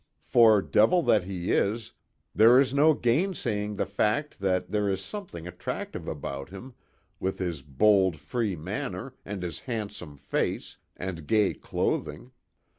For, devil that he is, there is no gainsaying the fact that there is something attractive about him, with his bold free manner, and his handsome face, and gay clothing.